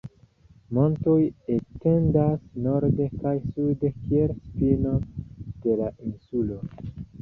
Montoj etendas norde kaj sude kiel spino de la insulo.